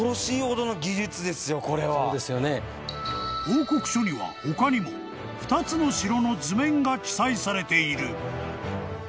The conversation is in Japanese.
［報告書には他にも２つの城の図面が記載されている］